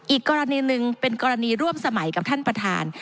อีกกรณีหนึ่งเป็นกรณีร่วมสมัยกับท่านประธาน